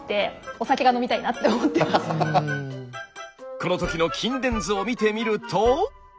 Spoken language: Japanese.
この時の筋電図を見てみると。